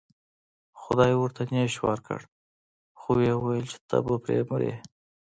خدای ورته نیش ورکړ خو و یې ویل چې ته به پرې مرې.